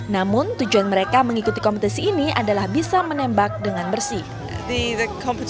namun tujuan mereka mengikuti kompetisi ini adalah bisa menembak dengan bersih